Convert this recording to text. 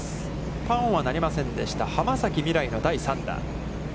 パーオンはなりませんでした浜崎未来の第３打。